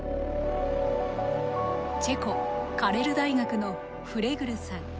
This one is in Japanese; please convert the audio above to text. チェコカレル大学のフレグルさん。